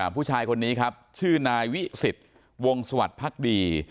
ผู้ชายคนนี้ครับชื่อนายวิศิษฐ์วงสวรรค์ภักดี